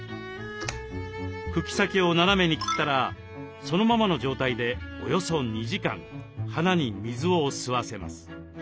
茎先を斜めに切ったらそのままの状態でおよそ２時間花に水を吸わせます。